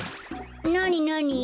なになに？